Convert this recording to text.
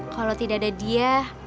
kalau tidak ada dia